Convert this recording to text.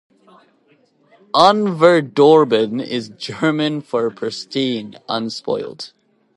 Unverdorben is German for pristine, unspoilt.